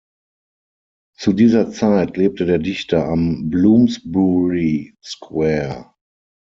Zu dieser Zeit lebte der Dichter am Bloomsbury Square.